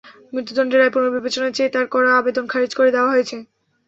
মৃত্যুদণ্ডের রায় পুনর্বিবেচনা চেয়ে তাঁর করা আবেদন খারিজ করে দেওয়া হয়েছে।